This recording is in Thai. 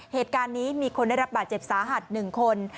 เหตุการณ์นี้มีคนได้รับบาดเจ็บสาหัส๑คน